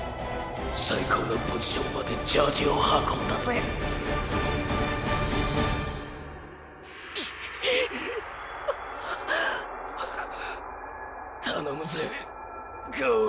最高のポジションまでジャージを運んだぜ頼むぜゴール。